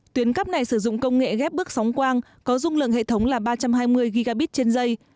tuyến cắp này sử dụng công nghệ ghép bước sóng quang có dung lượng hệ thống là ba trăm hai mươi gigabit trên dây